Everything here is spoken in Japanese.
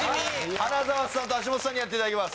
花澤さんと橋本さんにやっていただきます。